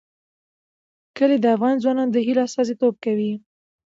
کلي د افغان ځوانانو د هیلو استازیتوب کوي.